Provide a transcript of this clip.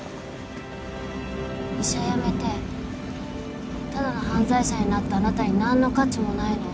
医者辞めてただの犯罪者になったあなたに何の価値もないの。